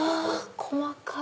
細かい。